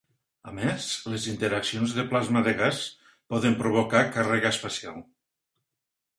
A més, les interaccions de plasma de gas poden provocar càrrega espacial.